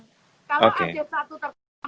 kalau ada satu tertentu